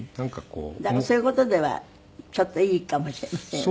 だからそういう事ではちょっといいかもしれませんよね。